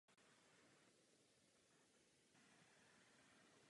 Není však možné, že problém spočívá v něčem zcela základním?